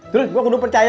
terus gue kudu percaya